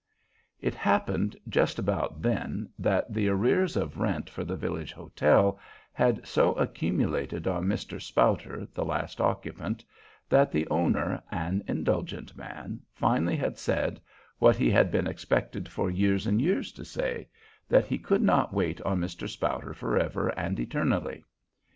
It happened just about then that the arrears of rent for the village hotel had so accumulated on Mr. Spouter, the last occupant, that the owner, an indulgent man, finally had said, what he had been expected for years and years to say, that he could not wait on Mr. Spouter forever and eternally.